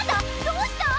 どうした！？